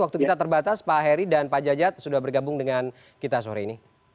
waktu kita terbatas pak heri dan pak jajat sudah bergabung dengan kita sore ini